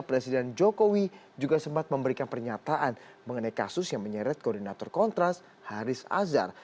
presiden jokowi juga sempat memberikan pernyataan mengenai kasus yang menyeret koordinator kontras haris azhar